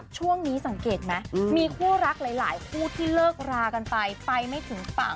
ช่วงนี้สังเกตไหมมีคู่รักหลายคู่ที่เลิกรากันไปไปไม่ถึงฝั่ง